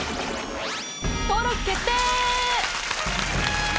登録決定！